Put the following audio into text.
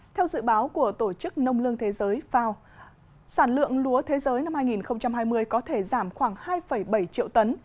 theo dự báo của tổ chức nông lương thế giới fao sản lượng lúa thế giới năm hai nghìn hai mươi có thể giảm khoảng hai bảy triệu tấn